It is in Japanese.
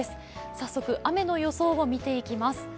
早速、雨の予想を見ていきます。